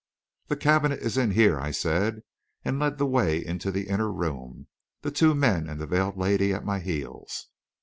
"The cabinet is in here," I said, and led the way into the inner room, the two men and the veiled lady at my heels.